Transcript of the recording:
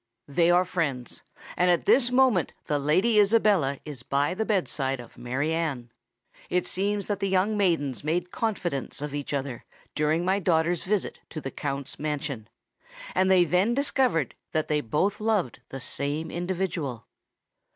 "They are friends—and at this moment the Lady Isabella is by the bed side of Mary Anne. It seems that the young maidens made confidants of each other, during my daughter's visit to the Count's mansion; and they then discovered that they both loved the same individual."